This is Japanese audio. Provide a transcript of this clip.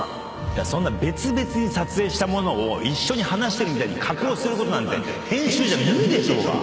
そんな別々に撮影したものを一緒に話してるみたいに加工することなんて編集じゃ無理でしょうが。